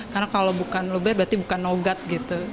karena kalau bukan luber berarti bukan nogat gitu